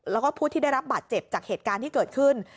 แล้วก็ผู้ที่ได้รับบาดเจ็บจากเหตุการณ์ที่เกิดขึ้น